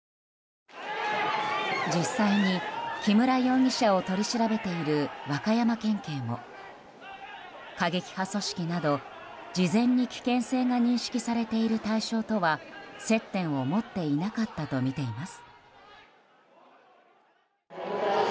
実際に、木村容疑者を取り調べている和歌山県警も過激派組織など事前に危険性が認識されている対象とは、接点を持っていなかったとみています。